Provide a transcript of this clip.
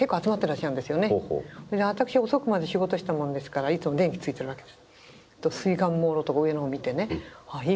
それで私遅くまで仕事したもんですからいつも電気ついてるわけです。